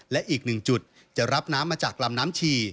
และอีกหนึ่งจุดจะรับน้ำมาจากลำน้ำชี